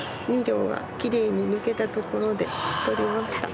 ２両がきれいに抜けたところで撮りました。